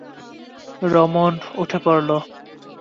রমেন উঠে পড়ল।